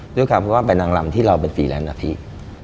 ด้วยการพูดว่าแบบนางลำที่เราเป็นฟรีแลนด์อาทิตย์